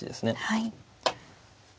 はい。